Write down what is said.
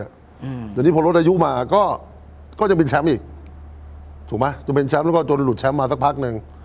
อืมแต่นี่พอลดอายุมาก็ก็จะเป็นแชมป์อีกถูกไหมจนเป็นแชมป์แล้วก็จนหลุดแชมป์มาสักพักหนึ่ง